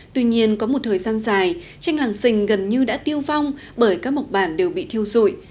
tuy nhiên có một thời gian dài tranh làng sình gần như đã tiêu vong bởi các mộc bản đều bị thiêu dụi